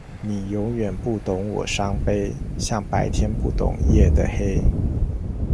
你永遠不懂我傷悲，像白天不懂夜的黑